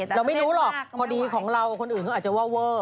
เราไม่รู้หรอกพอดีของเรากับคนอื่นเขาอาจจะว่าเวอร์